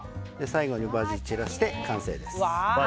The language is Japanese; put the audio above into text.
最後にバジルを散らして完成です。